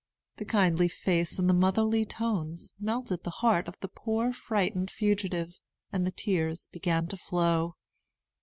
The kindly face and the motherly tones melted the heart of the poor frightened fugitive, and the tears began to flow.